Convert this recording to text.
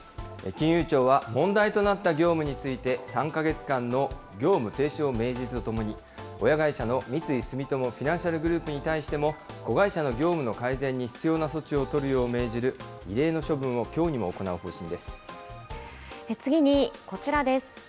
金融庁は、問題となった業務を３か月間の業務停止を命じるとともに、親会社の三井住友フィナンシャルグループに対しても、子会社の業務の改善に必要な措置を取るよう命じる異例の処分をき次にこちらです。